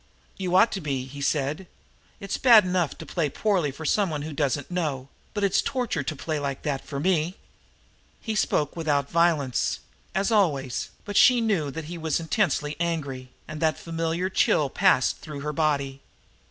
"You ought to be," he said. "It's bad enough to play poorly for someone who doesn't know, but it's torture to play like that for me." He spoke without violence, as always, but she knew that he was intensely angry, and that familiar chill passed through her body.